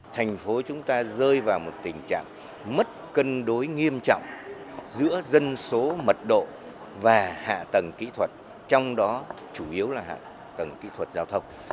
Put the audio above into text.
thành phố chúng ta rơi vào một tình trạng mất cân đối nghiêm trọng giữa dân số mật độ và hạ tầng kỹ thuật trong đó chủ yếu là hạ tầng kỹ thuật giao thông